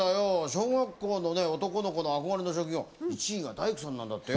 小学校のね男の子の憧れの職業１位が大工さんなんだってよ。